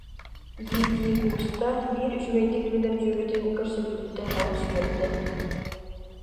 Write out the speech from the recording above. дии-дии кууста, биир үчүгэйдик билэр дьүөгэтин көрсүбүтүттэн олус үөрдэ